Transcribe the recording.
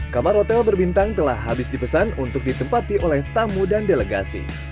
kamar hotel berbintang telah habis dipesan untuk ditempati oleh tamu dan delegasi